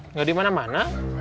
nggak di mana mana